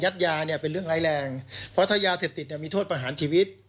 ยาเนี่ยเป็นเรื่องร้ายแรงเพราะถ้ายาเสพติดเนี่ยมีโทษประหารชีวิต